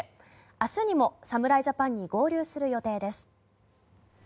明日にも侍ジャパンに合流する予定です。